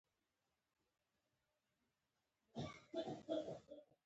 البته نا ارامه او ضدي هم وي.